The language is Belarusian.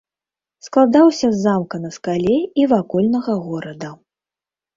Складаўся з замка на скале і вакольнага горада.